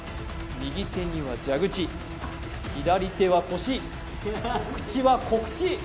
右手には蛇口左手は腰口は告知！